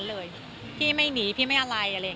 เราก็เป็นคนที่แบบรู้ไหม